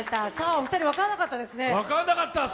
お二人、分からなかったですね。